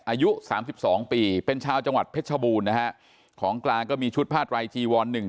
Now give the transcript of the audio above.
อายุสามสิบสองปีเป็นชาวจังหวัดเพชรชบูรณ์นะฮะของกลางก็มีชุดผ้าไรจีวอนหนึ่ง